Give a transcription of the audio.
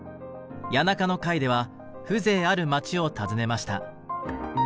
谷中の回では風情ある街を訪ねました。